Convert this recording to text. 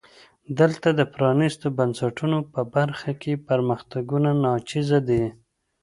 دلته د پرانیستو بنسټونو په برخه کې پرمختګونه ناچیزه دي.